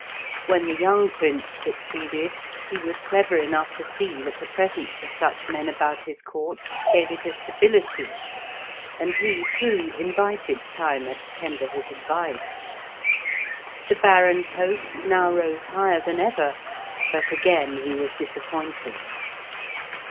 When the young Prince succeeded, he was clever enough to see that the presence of such men about his Court gave it a stability, and he, too, invited Thyma to tender his advice. The Baron's hopes now rose higher than ever, but again he was disappointed.